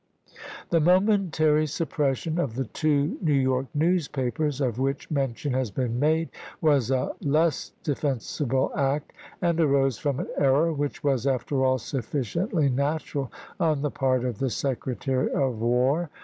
The momentary suppression of the two New York newspapers, of which mention has been made, was a less defensible act, and arose from an error which was, after all, sufficiently natural on the part of the Secretary of War.